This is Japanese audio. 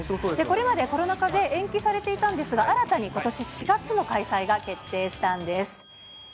これまでコロナ禍で延期されていたんですが、新たにことし４月の開催が決定したんです。